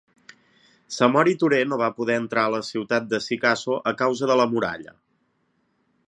Samori Turé no va poder entrar a la ciutat de Sikasso a causa de la muralla.